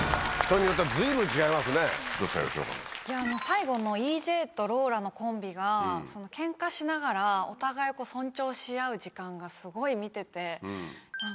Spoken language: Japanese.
最後のＥＪとローラのコンビがケンカしながらお互いを尊重し合う時間がすごい見てて。